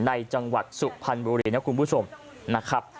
ในจังหวัดสุพันธ์บูรินักคุณผู้ชมนะครับ